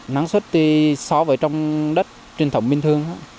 nắng xuất thì so với trong đất truyền thống bình thường